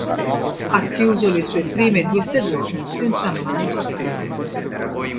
Ha chiuso le sue prime due stagioni senza mai giocare.